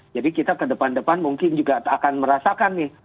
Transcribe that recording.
jadi kita ke depan depan mungkin juga akan merasakan nih